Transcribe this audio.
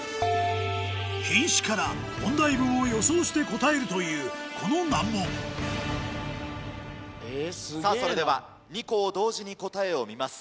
品詞から問題文を予想して答えるというこの難問それでは２校同時に答えを見ます。